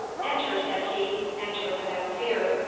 "Enter," said he; "enter without fear.